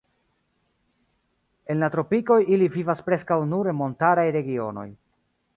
En la tropikoj ili vivas preskaŭ nur en montaraj regionoj.